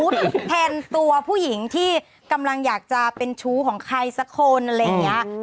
แทนตัวผู้หญิงที่กำลังอยากจะเป็นชู้ของใครสักคนอะไรอย่างนี้